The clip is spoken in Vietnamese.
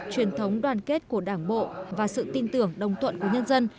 truyền thống đoàn kết của đảng bộ và sự tin tưởng đồng tuận của nhân dân